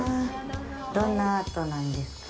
どんなアートなんですか？